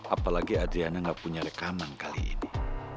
apalagi adriana nggak punya rekaman kali ini